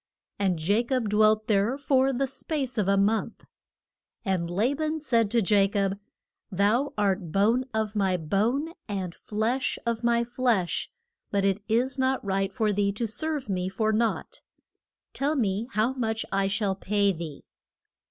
And Ja cob dwelt there for the space of a month. And La ban said to Ja cob, Thou art bone of my bone and flesh of my flesh, but it is not right for thee to serve me for nought. Tell me how much I shall pay thee?